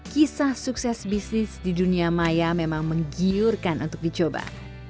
kisah sukses bisnis di dunia maya memang menggiurkan untuk dicoba